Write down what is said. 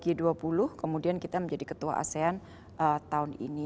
g dua puluh kemudian kita menjadi ketua asean tahun ini